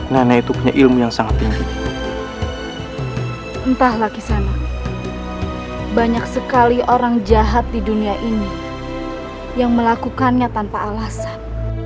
nenek itu punya ilmu yang sangat tinggi entah lagi sana banyak sekali orang jahat di dunia ini yang melakukannya tanpa alasan